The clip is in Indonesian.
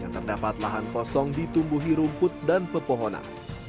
yang terdapat lahan kosong ditumbuhi rumput dan pepohonan